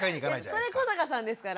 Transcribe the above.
それ古坂さんですから。